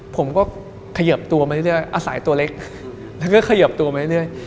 ผมก็เขยิบตัวมาเรื่อยอาศัยตัวเล็กแล้วก็เขยิบตัวมาเรื่อย